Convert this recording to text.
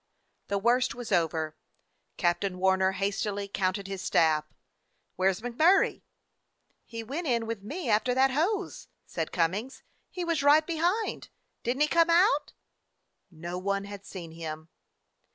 The worst was over. Captain Warner hastily counted his staff. "Where 's MacMurray?" "He went in with me after that hose," said Cummings. "He was right behind. Did n't he come out?" No one had seen him.